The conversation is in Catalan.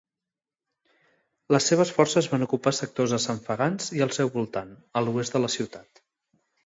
Les seves forces van ocupar sectors a Saint Fagans i al seu voltant, a l'oest de la ciutat.